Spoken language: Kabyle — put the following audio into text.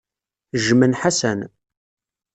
Jjmen Ḥasan.